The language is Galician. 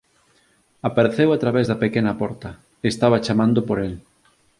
Apareceu a través da pequena porta e estaba chamando por el.